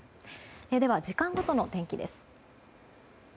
では、時間ごとの天気です。